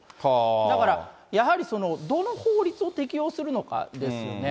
だから、やはりその、どの法律を適用するのかですよね。